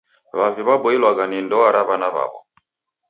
W'avi waboilwagha ni ndoa ra w'ana w'aw'o.